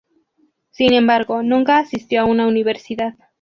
Sin embargo, nunca asistió a una universidad.